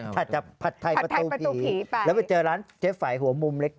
ถ้าจับผัดไทยประตูผีแล้วไปเจอร้านเจ๊ไฝหัวมุมเล็ก